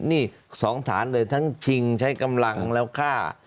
นี่๒ฐานเลยทั้งชิงใช้กำลังแล้วฆ่า